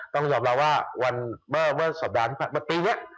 ต้องยอมรับว่าเมื่อสัปดาห์ที่มาตรีเนี่ย